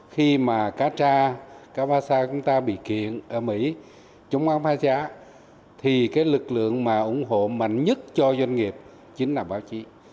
khi mà cát tra cát ba sa chúng ta bị kiện ở mỹ chúng ta không phá trá thì cái lực lượng mà ủng hộ mạnh nhất cho doanh nghiệp chính là báo chí